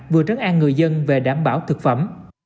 vừa trấn an người dân về đảm bảo thực phẩm